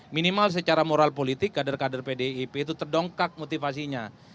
minimal secara moral politik kader kader pdip itu terdongkak motivasinya